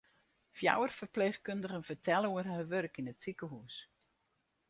Fjouwer ferpleechkundigen fertelle oer har wurk yn it sikehûs.